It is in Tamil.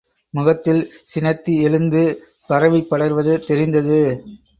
முகத்தில் சினத்தி எழுந்து பரவிப் படர்வது தெரிந்தது.